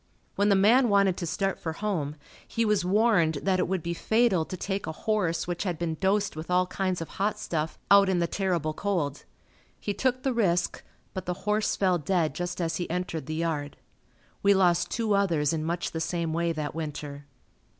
When the man wanted to start for home, he was warned that it would be fatal to take a horse which had been dosed with all kinds of hot stuff out in the terrible cold. He took the risk but the horse fell dead just as he entered the yard. We lost two others in much the same way that winter.